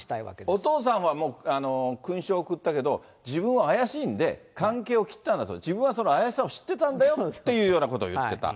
お父さんは勲章を贈ったけど、自分は怪しいんで、関係を切ったんだと、自分はその怪しさを知ってたんだよというようなことをいってた。